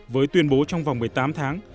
với tuyên bố trong vòng một mươi tám tháng